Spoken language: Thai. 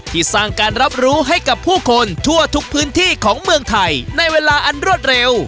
ที่สร้างการรับรู้ให้กับผู้คนทั่วทุกพื้นที่ของเมืองไทยในเวลาอันรวดเร็ว